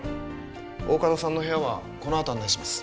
大加戸さんの部屋はこのあと案内します